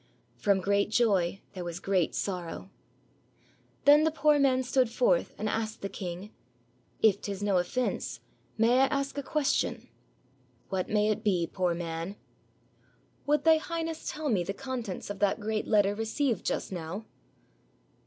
From great joy there was great sorrow. Then the poor man stood forth and asked the king; "If 't is no offense, may I ask a question?" "What may it be, poor man?" "Would Thy Highness tell me the contents of that great letter received just now?"